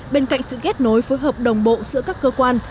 bên cạnh sự kết nối phối hợp đồng bộ giữa các cơ quan